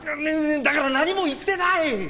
だから何も言ってない！